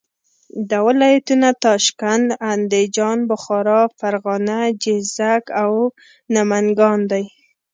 دا ولایتونه تاشکند، اندیجان، بخارا، فرغانه، جیزک او نمنګان دي.